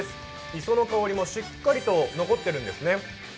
磯の香りもしっかりと残っているんですね。